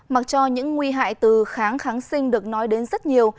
mặc cho những nguy hại từ kháng kháng sinh được nói đến rất nhiều